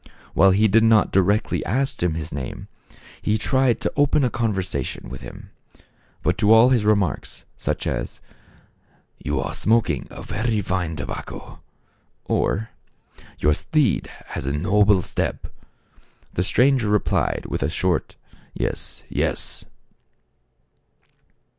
While he did not directly ask him his name, he tried to open a conversation with him. But to all his remarks, such as, "You are smok ing a very line tobacco ;" or, " Your steed has a noble step," the stranger replied with a short " Yes, yes."